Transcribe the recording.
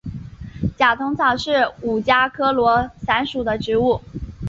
假通草是五加科罗伞属的植物。